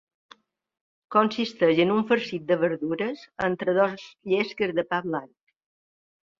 Consisteix en un farcit de verdures entre dos llesques de pa blanc.